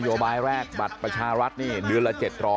โยบายแรกบัตรประชารัฐนี่เดือนละ๗๐๐